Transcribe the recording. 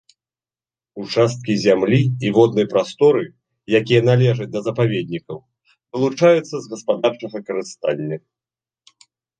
Участкі зямлі і воднай прасторы, якія належаць да запаведнікаў, вылучаюцца з гаспадарчага карыстання.